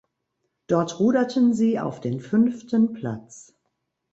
Dort ruderten sie auf den fünften Platz.